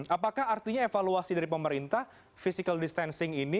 apakah artinya evaluasi dari pemerintah physical distancing ini